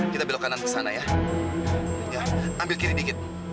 kita belok kanan ke sana ya ambil kiri dikit